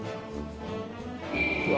うわ